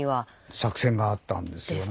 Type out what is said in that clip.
作戦があったんですよね。